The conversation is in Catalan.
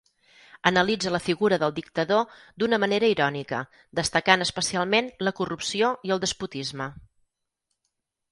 Analitza la figura del dictador d'una manera irònica, destacant especialment la corrupció i el despotisme.